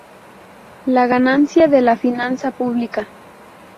La ganancia de la confianza pública.